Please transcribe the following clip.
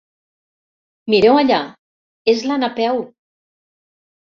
Mireu allà, és la Napeu!